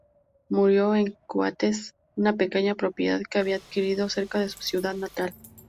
Murió en Coates, una pequeña propiedad que había adquirido cerca de su ciudad natal.